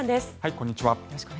こんにちは。